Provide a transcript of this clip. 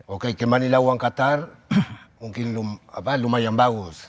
oke kemari lawan qatar mungkin lumayan bagus